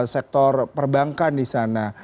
sektor perbankan di sana